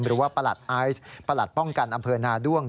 ประหลัดไอซ์ประหลัดป้องกันอำเภอนาด้วง